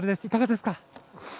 いかがですか。